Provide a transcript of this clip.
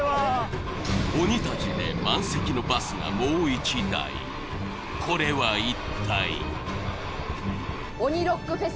鬼たちで満席のバスがもう一台これは一体？